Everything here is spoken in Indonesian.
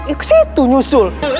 iya kesitu nyusul